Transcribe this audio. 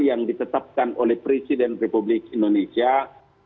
yang ditetapkan oleh pertanahan nasional yang ditetapkan oleh bpn yang ditetapkan oleh bpn